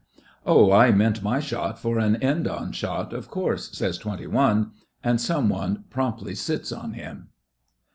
'Oh, I meant my shot for an end on shot, of course,' says Twenty one; and some one promptly sits on him.